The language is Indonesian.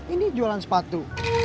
ini jualan sepatu